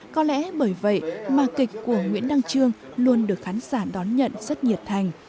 có lẽ bởi vậy mà kịch của nguyễn đăng trương luôn được khán giả đón nhận rất nhiệt thành